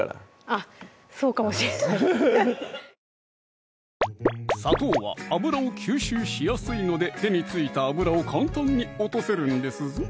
あっそうかもしれない砂糖は脂を吸収しやすいので手に付いた脂を簡単に落とせるんですぞ！